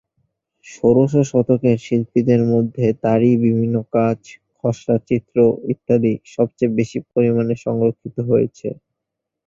ষোড়শ শতকের শিল্পীদের মধ্যে তারই বিভিন্ন কাজ, খসড়া চিত্র ইত্যাদি সবচেয়ে বেশি পরিমাণে সংরক্ষিত হয়েছে।